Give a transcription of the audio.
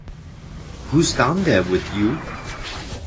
Who's down there with you?